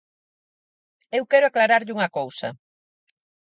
Eu quero aclararlle unha cousa.